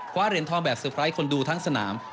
คว้าเหรียญทองแบบสุพร้ายคนดูทั้งสนาม